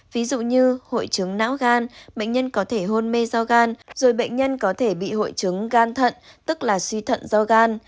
ví dụ như hội chứng não gan bệnh nhân có thể hôn mê do gan rồi bệnh nhân có thể bị hội chứng gan thận tức là suy thận do gan